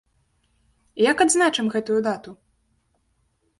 Як адзначым гэтую дату?